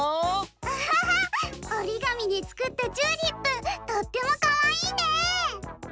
アハハッおりがみでつくったチューリップとってもかわいいね！